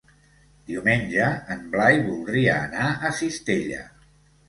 Diumenge en Blai voldria anar a Cistella.